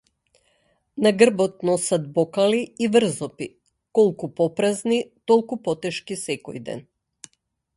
На грбот носат бокали и врзопи, колку попразни толку потешки секој ден.